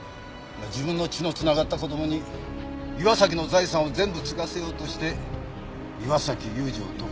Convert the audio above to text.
自分の血の繋がった子供に岩崎の財産を全部継がせようとして岩崎裕二を毒殺した。